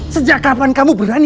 sejak kapan kamu berani